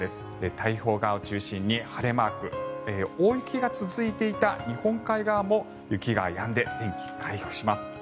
太平洋側を中心に晴れマーク大雪が続いていた日本海側も雪がやんで天気、回復します。